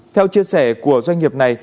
theo chia sẻ của doanh nghiệp này